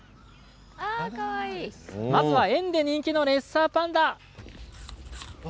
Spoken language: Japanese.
まずは、園で人気のレッサーパンダです。